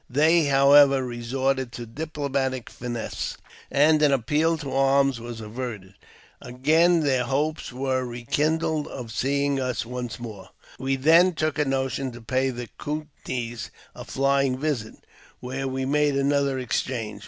They, however, resorted to diplo matic finesse, and an appeal to arms was averted. Again their liopes were rekindled of seeing us once more. We then took a notion to pay the Coutnees a flying visit where we made another exchange.